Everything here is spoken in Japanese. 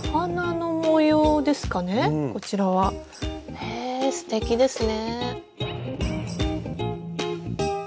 へえすてきですね。